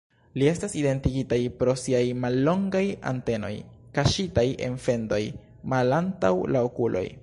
Ili estas identigitaj pro siaj mallongaj antenoj, kaŝitaj en fendoj malantaŭ la okuloj.